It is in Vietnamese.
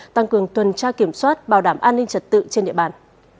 tăng cường tuần tra kiểm soát bảo đảm an ninh trật tự trên địa bàn